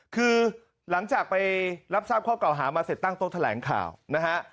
คือหลังจากไปรับทราบข้อเก่าหามาเสร็จตั้งโต๊ะแถลงข่าวนะฮะ